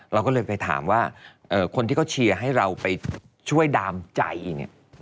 เราก็เลยไปถามว่าคนที่เขาเชียร์ให้เราไปช่วยดามใจเนี่ย